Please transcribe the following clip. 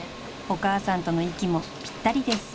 ［お母さんとの息もぴったりです］